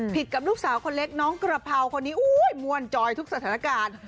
กับลูกสาวคนเล็กน้องกระเพราคนนี้มวลจอยทุกสถานการณ์